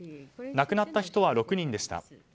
亡くなった人は６人でした。